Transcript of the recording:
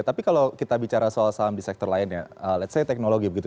tapi kalau kita bicara soal saham di sektor lain ya let's say teknologi begitu